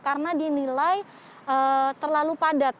karena dinilai terlalu padat